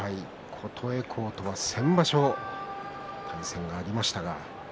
琴恵光とは先場所対戦がありました。